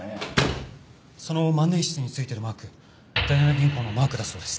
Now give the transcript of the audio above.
その万年筆に付いてるマーク第七銀行のマークだそうです。